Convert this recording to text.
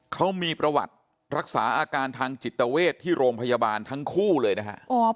เขามีประวัติรักษาอาการทางจิตเวทที่โรงพยาบาลทั้งคู่เลยนะฮะ